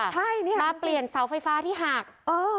ใช่นี่ค่ะราบเปลี่ยนเสาไฟฟ้าที่หากเออ